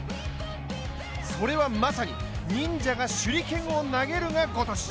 それはまさに忍者が手裏剣を投げるがごとし。